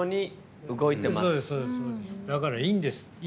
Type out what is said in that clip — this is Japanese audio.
だから、いいんです。